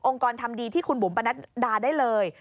องค์กรทำดีที่คุณบุ๋มบรรณัดาได้เลย